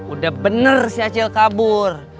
udah bener si acil kabur